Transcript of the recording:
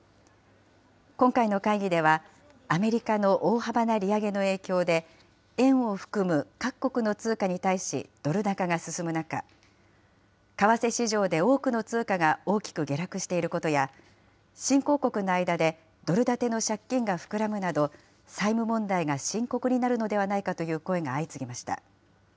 今回の会議では、アメリカの大幅な利上げの影響で、円を含む各国の通貨に対し、ドル高が進む中、為替市場で多くの通貨が大きく下落していることや、新興国の間でドル建ての借金が膨らむなど、債務問題が深刻になるのではないかという声が相次ぎました。